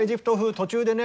途中でね